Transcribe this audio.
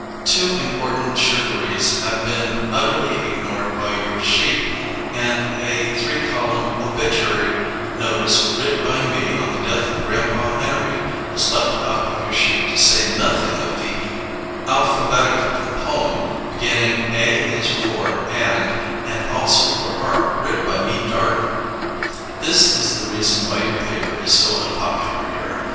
2 important chiverees have bin utterly ignored by your shete & a 3 column obitchury notice writ by me on the death of grandpa Henery was left out of your shete to say nothin of the alfabetical poem beginning 'A is for And and also for Ark,' writ by me darter. This is the reason why your paper is so unpopular here.